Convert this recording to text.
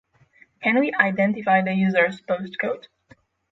Can we identify the user's postcode?